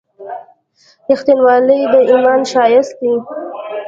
• رښتینولي د ایمان ښایست دی.